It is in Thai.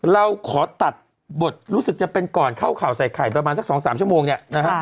เราขอตัดบทรู้สึกจะเป็นก่อนเข้าข่าวใส่ไข่ประมาณสัก๒๓ชั่วโมงเนี่ยนะฮะ